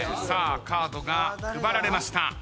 さあカードが配られました。